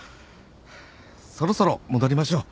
そろそろ戻りましょう。